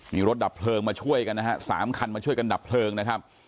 มีรถดับเพลิงมาช่วยกันนะฮะ๓คันมาช่วยกันดับเพลิงนะครับ